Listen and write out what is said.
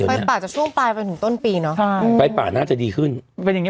ไฟป่าจะช่วงนายที่ปีที่ต้นปีเนอะ